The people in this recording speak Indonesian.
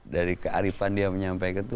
dari kearifan dia menyampaikan itu